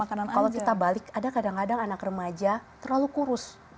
kalau kita balik ada kadang kadang anak remaja terlalu kurus